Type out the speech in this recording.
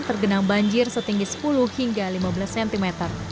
tergenang banjir setinggi sepuluh hingga lima belas cm